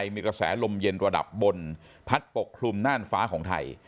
มีกระแสลมเย็นระดับบนพัดปกคลุมน่านฟ้าของไทย